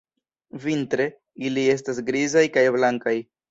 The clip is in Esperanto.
Vintre, ili estas grizaj kaj blankaj.